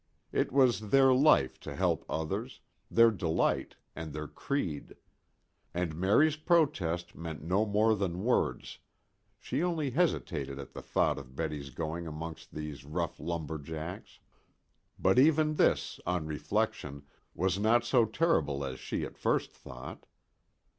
It was their life to help others, their delight, and their creed. And Mary's protest meant no more than words, she only hesitated at the thought of Betty's going amongst these rough lumber jacks. But even this, on reflection, was not so terrible as she at first thought.